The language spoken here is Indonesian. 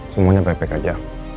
semuanya baik baik aja